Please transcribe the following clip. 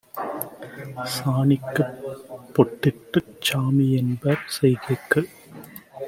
சாணிக்குப் பொட்டிட்டுச் சாமிஎன்பார் செய்கைக்கு